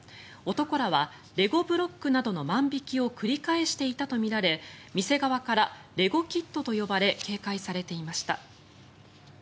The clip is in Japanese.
男らはレゴブロックなどの万引きを繰り返していたとみられ店側からレゴキッドと呼ばれ警戒されていました。